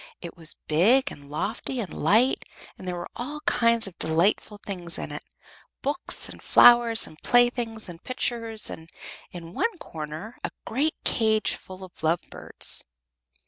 It was big and lofty and light, and there were all kinds of delightful things in it books and flowers and playthings and pictures, and in one corner a great cage full of lovebirds.